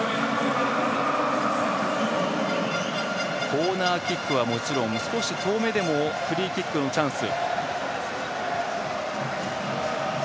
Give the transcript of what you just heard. コーナーキックはもちろん少し遠めでもフリーキックのチャンス。